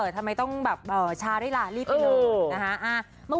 ทำไมต้องชาด้วยล่ะรีบให้เนิด